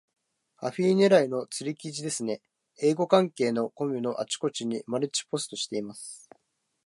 アフィ狙いの釣り記事ですね。英語関係のコミュのあちこちにマルチポストしています。